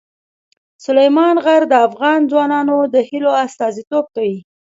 سلیمان غر د افغان ځوانانو د هیلو استازیتوب کوي.